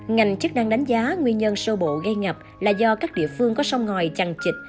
ngành chức năng đánh giá nguyên nhân sâu bộ gây ngập là do các địa phương có sông ngòi chằn chịch